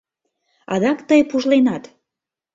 Адак, тый пужленат.